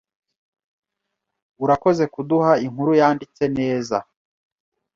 Urakoze kuduha inkuru yanditse neza.